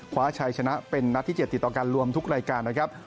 คว้าชัยชนะเป็นนัดที่๗ติดต่อกันรวมทุกรายการนะครับ